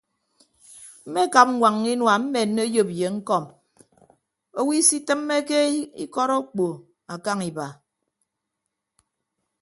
Mmekap ñwañña inua mmenne oyop ye ñkọm owo isitịmmeke ikọt okpo akañ iba.